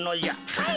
はい。